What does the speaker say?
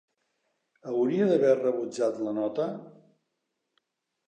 Hauria d'haver rebutjat la nota?